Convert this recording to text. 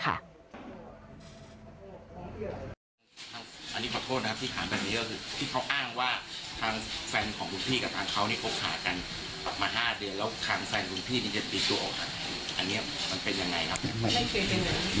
อันนี้ขอโทษนะที่ถามแบบนี้ก็คือที่เขาอ้างว่าทางแฟนของคุณพี่กับทางเขาเนี่ยคบหากันกลับมา๕เดือนแล้วทางแฟนคุณพี่เนี่ยจะตีตัวออกอันนี้มันเป็นยังไงครับมันไม่เป็นแบบนี้